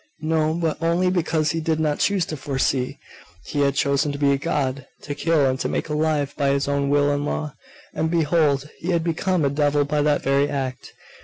No; but only because he did not choose to foresee. He had chosen to be a god; to kill and to make alive by his own will and law; and behold, he had become a devil by that very act.